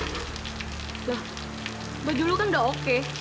tuh baju lu kan udah oke